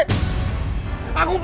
aku pasrah reno